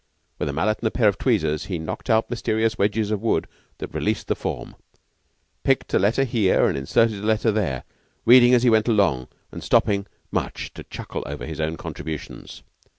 With a mallet and a pair of tweezers, he knocked out mysterious wedges of wood that released the forme, picked a letter here and inserted a letter there, reading as he went along and stopping much to chuckle over his own contributions.